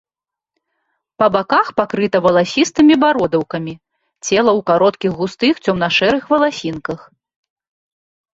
Па баках пакрыта валасістымі бародаўкамі, цела ў кароткіх густых цёмна-шэрых валасінках.